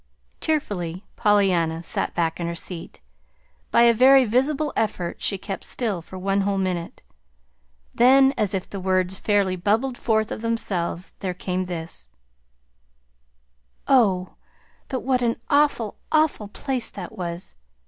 Tearfully Pollyanna sat back in her seat. By a very visible effort she kept still for one whole minute. Then, as if the words fairly bubbled forth of themselves, there came this: "Oh, but what an awful, awful place that was!